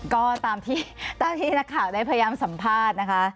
ก็ตามที่เจ้าที่นักข่าวได้พยายามสัมภาษณ์นะคะ